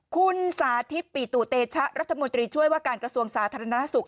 คุณสาธิตปิตุเตชะรัฐมนตรีช่วยว่าการกระทรวงสาธารณสุข